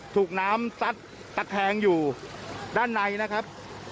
ถูกน้ำซัดตะแคงอยู่ด้านในนะครับ